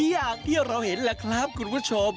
อย่างที่เราเห็นแหละครับคุณผู้ชม